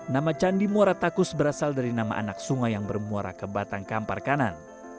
nama candi muara takus berasal dari nama anak sungai yang bermuara ke batang kampar kanan